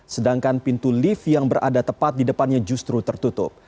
sedangkan pintu lift yang berada tepat di depannya justru tertutup